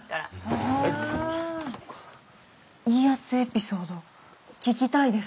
いいやつエピソード聞きたいです。